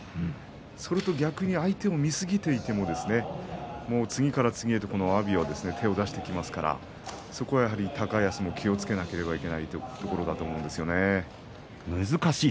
それと逆に相手を見すぎていても次から次へと阿炎は手を出してきますから高安はそこは気をつけないといけないところだと思うんですね。